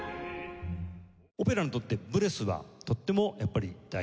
オペラにとってブレスはとってもやっぱり大事ですよね。